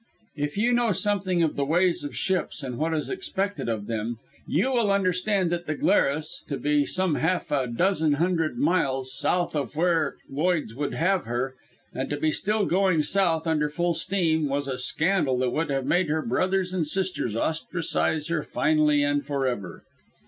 If you know something of the ways of ships and what is expected of them, you will understand that the Glarus, to be some half a dozen hundred miles south of where Lloyds' would have her, and to be still going south, under full steam, was a scandal that would have made her brothers and sisters ostracize her finally and forever.